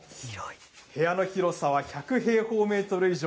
部屋の広さは１００平方メートル以上。